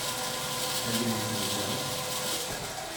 Have you anything to sell?